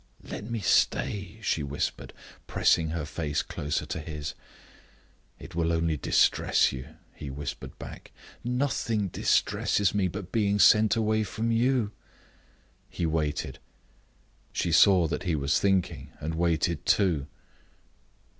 "Let me stay," she whispered, pressing her face closer to his. "It will only distress you," he whispered back. "Nothing distresses me, but being sent away from you!" He waited. She saw that he was thinking, and waited too.